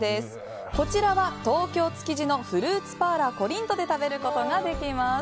こちらは東京・築地のフルーツパーラーコリントで食べることができます。